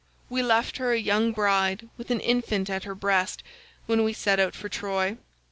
We left her a young bride with an infant at her breast when we set out for Troy.